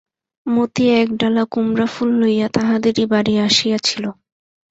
মতি একডালা কুমড়াফুল লইয়া তাহাদেরই বাড়ি আসিয়াছিল।